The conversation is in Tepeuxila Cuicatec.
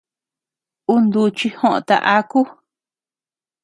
Un duchi joota aku.